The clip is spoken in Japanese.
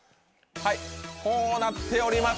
はいこうなっております。